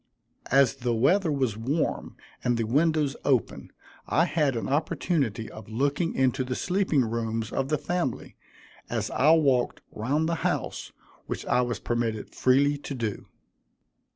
As the weather was warm and the windows open, I had an opportunity of looking into the sleeping rooms of the family, as I walked round the house, which I was permitted freely to do.